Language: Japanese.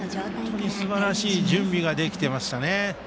すばらしい準備ができていましたね。